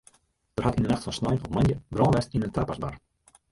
Der hat yn de nacht fan snein op moandei brân west yn in tapasbar.